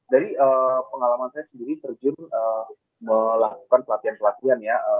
dari pengalaman saya sendiri terjun melakukan pelatihan pelatihan ya